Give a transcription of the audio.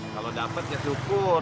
kalau dapet ya syukur